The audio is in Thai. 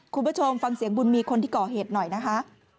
คุณผู้ชมฟังเสียงบุญมีคนที่ก่อเหตุหน่อยนะคะ